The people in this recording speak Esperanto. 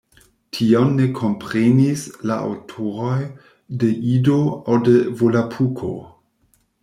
Tion ne komprenis la aŭtoroj de Ido aŭ de Volapuko.